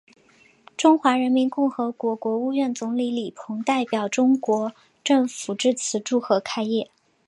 中华人民共和国国务院总理李鹏代表中国政府致词祝贺开业。